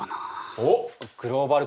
おっグローバル化だね。